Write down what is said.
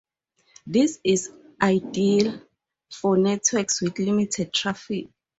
This is ideal for networks with limited traffic.